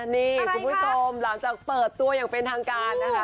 นี่คุณผู้ชมหลังจากเปิดตัวอย่างเป็นทางการนะคะ